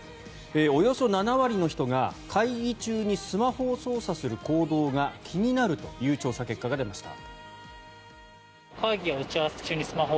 およそ７割の人が会議中にスマホを操作する行動が気になるという調査結果が出ました。